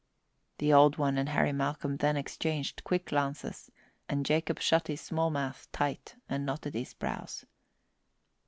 The Old One and Harry Malcolm then exchanged quick glances, and Jacob shut his small mouth tight and knotted his brows.